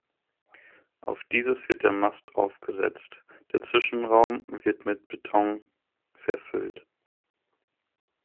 Auf dieses wird der Mast aufgesetzt, der Zwischenraum wird mit Beton verfüllt.